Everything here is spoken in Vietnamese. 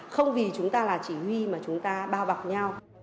không vì chúng ta là chỉ huy mà chúng ta bao bọc nhau